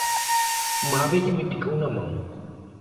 Uma abelha me picou na mão.